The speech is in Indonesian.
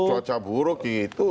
bukan karena cuaca buruk gitu